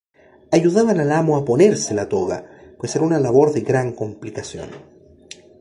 Ayudaban al amo a ponerse la toga, pues era una labor de gran complicación.